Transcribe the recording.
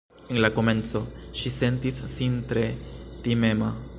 En la komenco ŝi sentis sin tre timema